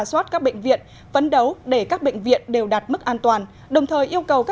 số ca tử vong là ba mươi bốn ca